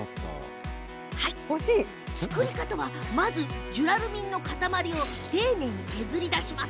作り方はまずジュラルミンの塊を丁寧に削り出します。